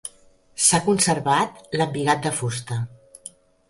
S'ha conservat l'embigat de fusta.